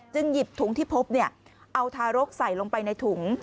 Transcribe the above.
หยิบถุงที่พบเอาทารกใส่ลงไปในถุง